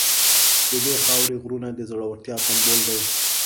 د دې خاورې غرونه د زړورتیا سمبول دي.